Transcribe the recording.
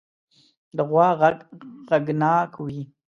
د غوا غږ غږناک وي.